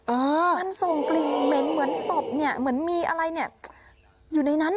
เออมันส่งกลิ่นเหม็นเหมือนศพเนี่ยเหมือนมีอะไรเนี่ยอยู่ในนั้นอ่ะ